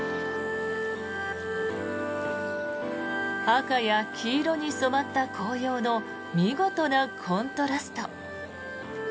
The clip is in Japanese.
赤や黄色に染まった紅葉の見事なコントラスト。